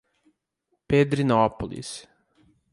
Pedrinópolis